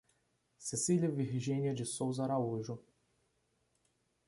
Cecilia Virginia de Souza Araújo